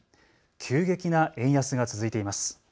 急激な円安が続いています。